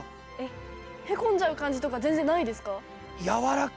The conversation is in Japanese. へこんじゃう感じとか全然ないですか？